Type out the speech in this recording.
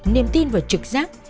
niềm tin vào trực giác